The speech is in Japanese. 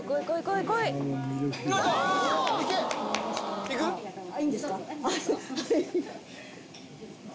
いいんですか。